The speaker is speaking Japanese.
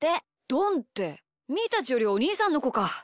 どんってみーたちよりおにいさんのこか。